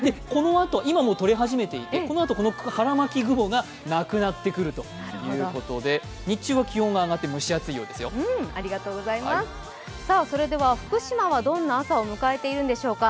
今もう取れ始めていて、このあとこの取り巻き雲がなくなってくるということで、日中は気温が上がって福島はどんな朝を迎えているんでしょうか？